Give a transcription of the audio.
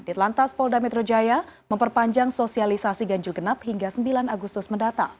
di telantas polda metro jaya memperpanjang sosialisasi ganjil genap hingga sembilan agustus mendatang